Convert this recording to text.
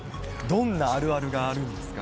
どんなあるあるがあるんですか？